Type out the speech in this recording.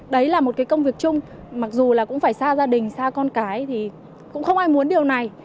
đấy là một cái công việc chung mặc dù là cũng phải xa gia đình xa con cái thì cũng không ai muốn điều này